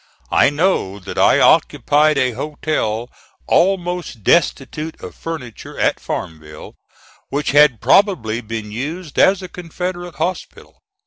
I know that I occupied a hotel almost destitute of furniture at Farmville, which had probably been used as a Confederate hospital.